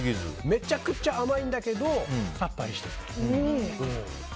めちゃくちゃ甘いんだけどさっぱりしてる。